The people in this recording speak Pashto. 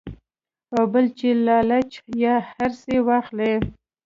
او بل چې لالچ يا حرص ئې واخلي -